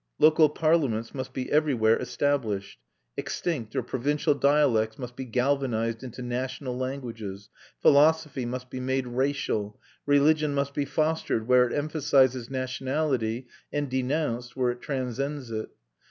Local parliaments must be everywhere established, extinct or provincial dialects must be galvanised into national languages, philosophy must be made racial, religion must be fostered where it emphasises nationality and denounced where it transcends it.